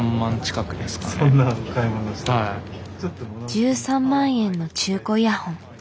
１３万円の中古イヤホン。